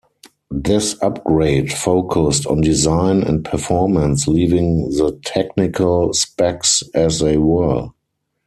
This upgrade focused on design and performance, leaving the technical specs as they were.